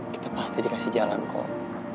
kita pasti dikasih jalan kok